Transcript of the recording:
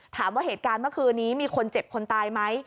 ถามว่าเหตุการณ์เมื่อคืนนี้มีคนเจ็บคนตายไหม